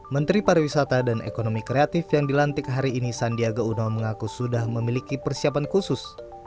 menteri pariwisata dan ekonomi kreatif yang dilantik hari ini sandiaga uno mengaku sudah memiliki persiapan khusus